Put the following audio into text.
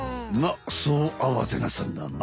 まあそうあわてなさんな。